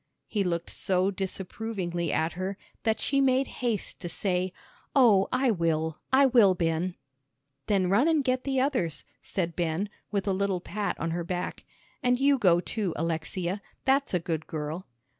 He looked so disapprovingly at her that she made haste to say, "Oh, I will, I will, Ben." "Then run and get the others," said Ben, with a little pat on her back. "And you go, too, Alexia, that's a good girl."